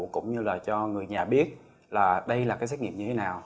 cũng như là cho người nhà biết là đây là cái xét nghiệm như thế nào